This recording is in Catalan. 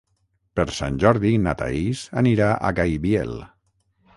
Per Sant Jordi na Thaís anirà a Gaibiel.